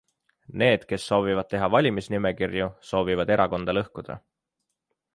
Need, kes soovivad teha valimisnimekirju, soovivad erakonda lõhkuda.